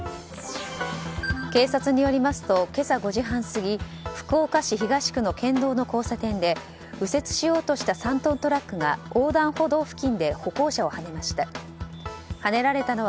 警察によりますと今朝５時半過ぎ福岡市東区の県道の交差点で右折しようとした３トントラックが横断歩道付近で歩行者をはねました。